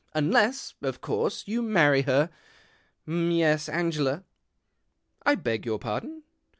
Unless, of course, you marry her. M'yes, Angela. '" I beg your pardon